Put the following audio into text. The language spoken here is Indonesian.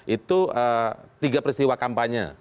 itu tiga peristiwa kampanye